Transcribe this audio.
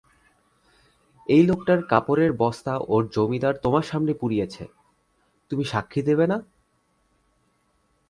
এই লোকটার কাপড়ের বস্তা ওর জমিদার তোমার সামনে পুড়িয়েছে, তুমি সাক্ষি দেবে না?